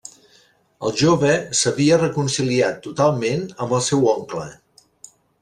El jove s'havia reconciliat totalment amb el seu oncle.